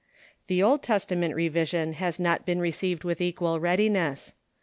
The Old Testament revision has not been received with equal readiness.